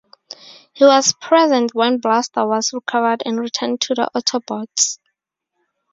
He was present when Blaster was recovered and returned to the Autobots.